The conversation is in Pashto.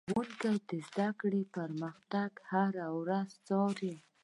ښوونکي د زده کړې پرمختګ هره ورځ څارلو.